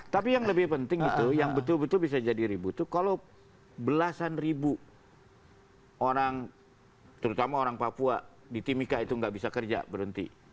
tapi yang lebih penting itu yang betul betul bisa jadi ribut itu kalau belasan ribu orang terutama orang papua di timika itu nggak bisa kerja berhenti